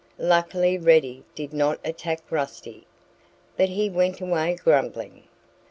Luckily Reddy did not attack Rusty. But he went away grumbling.